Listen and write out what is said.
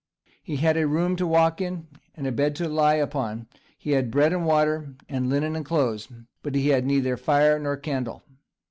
"He had a room to walk in, and a bed to lie upon; he had bread and water, and linen, and clothes, but he had neither fire nor candle."